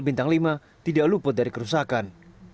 bintang lima tidak luput dari kerusakan